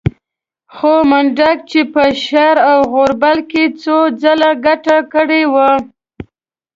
خو منډک چې په شر او غوبل کې څو ځله ګټه کړې وه.